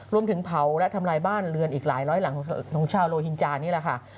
รวมถึงเผาและทำลายบ้านเรือนอีกหลายร้อยหลังของชาวโลหินจานี่แหละค่ะ